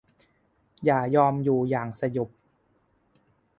อย่ายอมอยู่อย่างสยบ